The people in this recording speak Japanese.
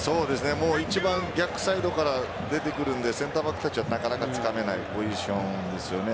一番逆サイドから出てくるんでセンターバックたちはなかなかつかめないポジションですよね。